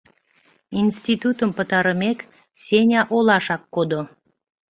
Институтым пытарымек, Сеня олашак кодо.